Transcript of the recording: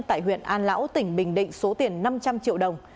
tại huyện an lão tỉnh bình định số tiền năm trăm linh triệu đồng